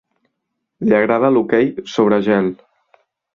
Li agrada l'hoquei sobre gel.